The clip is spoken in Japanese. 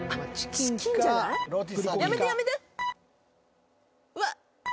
やめてやめて。